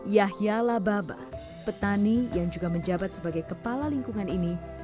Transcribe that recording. yahya lababa petani yang juga menjabat sebagai kepala lingkungan ini